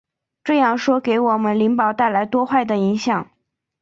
这样说给我们灵宝带来多坏的影响！